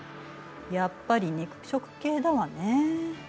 やっぱり肉食系だわねえ。